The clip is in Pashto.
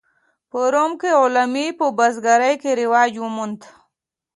په روم کې غلامي په بزګرۍ کې رواج وموند.